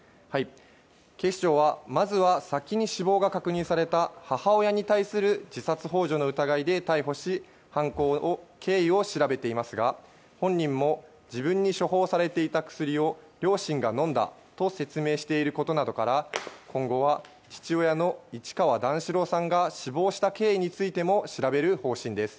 警視庁はまずは先に死亡が確認された母親に対する自殺幇助の疑いで逮捕し犯行の経緯を調べていますが本人も自分に処方されていた薬を両親が飲んだと説明していることなどから今後は父親の市川段四郎さんが死亡した経緯についても調べる方針です。